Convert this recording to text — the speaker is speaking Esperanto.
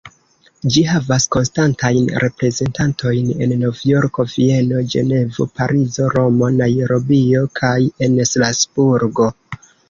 Ĝi havas konstantajn reprezentantojn en Novjorko, Vieno, Ĝenevo, Parizo, Romo, Najrobio kaj en Strasburgo.